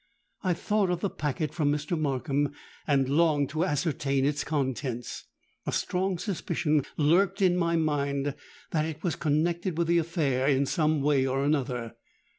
I thought of the packet from Mr. Markham, and longed to ascertain its contents. A strong suspicion lurked in my mind that it was connected with the affair in some way or another.